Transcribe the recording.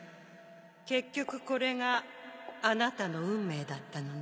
結局これがあなたの運命だったのね。